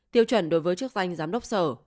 tiêu chuẩn đối với chức danh giám đốc sở